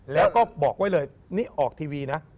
แล้วก็บอกไว้เลยนี่ออกทีวีนะ